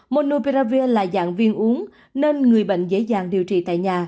monopiravir là dạng viên uống nên người bệnh dễ dàng điều trị tại nhà